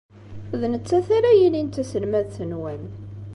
D nettat ara yilin d taselmadt-nwen.